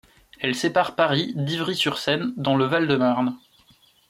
Elle sépare Paris d'Ivry-sur-Seine dans le Val-de-Marne.